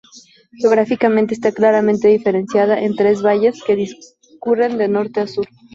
Geográficamente está claramente diferenciada en tres valles que discurren de norte a sur.